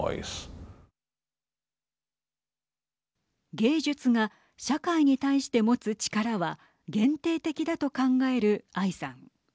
芸術が社会に対してもつ力は限定的だと考えるアイさん。